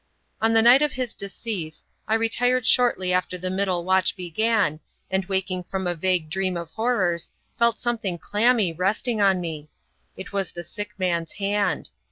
On the night of his decease, I retired shortly after the middle watch began, and waking from a vague dream of horrors, felt something clammy resting on me. It was the sick man's hand.